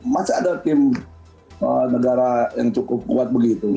masih ada tim negara yang cukup kuat begitu